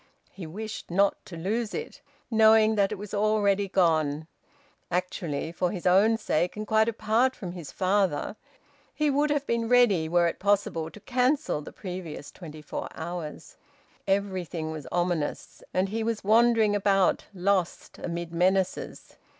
He wished not to lose it, knowing that it was already gone. Actually, for his own sake, and quite apart from his father, he would have been ready, were it possible, to cancel the previous twenty four hours. Everything was ominous, and he wandering about, lost, amid menaces...